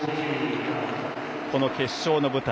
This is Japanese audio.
この決勝の舞台。